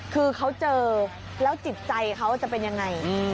คือเขาเจอแล้วจิตใจเขาจะเป็นยังไง